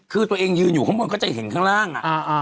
คือตัวเองยืนอยู่ข้างบนก็จะเห็นข้างล่าง